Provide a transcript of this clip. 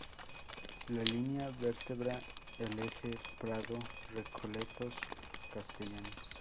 La línea vertebra el eje Prado-Recoletos-Castellana.